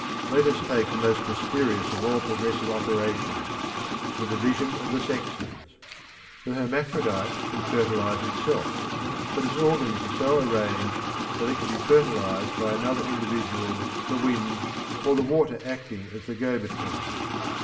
Let us take the most mysterious of all progressive operations the division of the sexes. The hermaphrodite can fertilise itself, but its organs are so arranged that it can be fertilised by another individual, the wind or the water acting as the go between.